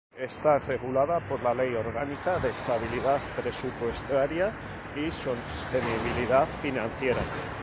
Está regulada por la Ley Orgánica de Estabilidad Presupuestaria y Sostenibilidad Financiera.